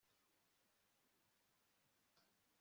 incuti y'indahemuka ni ubuhungiro buhamye